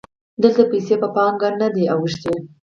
دلته پیسې په پانګه نه دي اوښتي